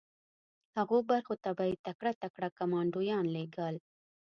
هغو برخو ته به یې تکړه تکړه کمانډویان لېږل